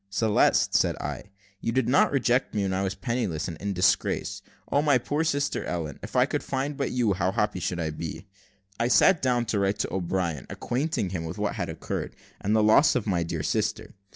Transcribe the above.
"Celeste," said I, "you did not reject me when I was penniless, and in disgrace. O my poor sister Ellen! if I could but find you, how happy should I be!" I sat down to write to O'Brien, acquainting him with all that had occurred, and the loss of my dear sister.